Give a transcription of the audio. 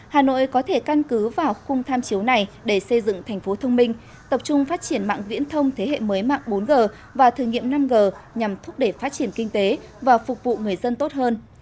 hà nội có thể căn cứ vào khung tham chiếu này để xây dựng thành phố thông minh tập trung phát triển mạng viễn thông thế hệ mới mạng bốn g và thử nghiệm năm g nhằm thúc đẩy phát triển kinh tế và phục vụ người dân tốt hơn